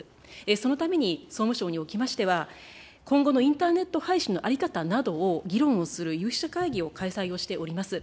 そのために総務省におきましては、今後のインターネット配信の在り方などを議論をする有識者会議を開催をしております。